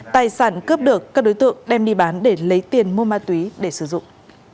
tài sản cướp được các đối tượng đem đi bán để lấy tiền mua ma túy để sử dụng